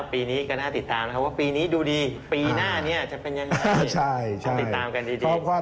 ว่าปีนี้ดูดีปีหน้านี้จะเป็นยังไง